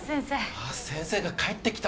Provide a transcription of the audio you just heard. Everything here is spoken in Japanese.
ああ先生が帰ってきた。